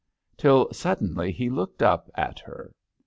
Till suddenly he looked up at her.